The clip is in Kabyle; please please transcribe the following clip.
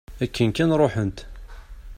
Akken kan ruḥent.